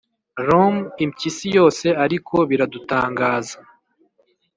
rum impyisi yose, ariko biradutangaza